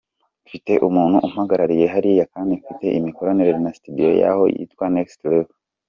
Mfite umuntu umpagarariye hariya kandi mfite imikoranire na studio yaho yitwa Next Level”.